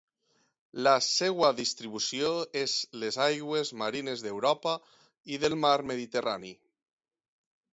La seva distribució és a les aigües marines d'Europa i del Mar Mediterrani.